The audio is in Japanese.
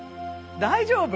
大丈夫？